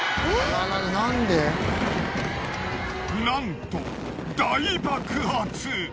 なんと大爆発！